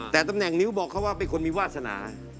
แต่ตำแหน่งนิ้วบอกเขาว่าเป็นคนมีวาสนา